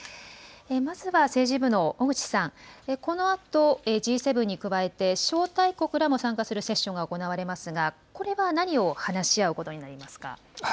まずは政治部の小口さん、このあとＧ７に加えて、招待国らも参加するセッションが行われますが、これは何を話し合うことになりますか。